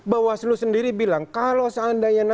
bawaslu sendiri bilang kalau seandainya